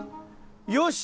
よし！